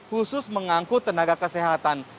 khusus mengangkut tenaga kesehatan